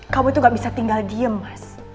kamu itu gak bisa tinggal diem mas